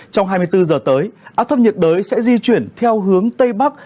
trong hai mươi bốn giờ tới áp thấp nhiệt đới sẽ di chuyển theo hướng tây bắc